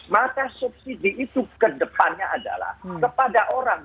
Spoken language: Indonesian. maka subsidi itu kedepannya adalah kepada orang